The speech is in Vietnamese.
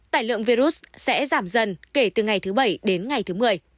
tài lượng virus sẽ giảm dần kể từ ngày thứ bảy đến ngày thứ một mươi